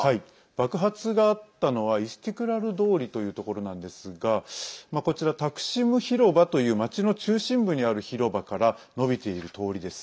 爆発があったのはイスティクラル通りというところなんですがこちら、タクシム広場という街の中心部にある広場からのびている通りです。